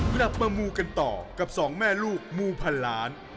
กลับมามูกันต่อกับสองแม่ลูกมูพันล้าน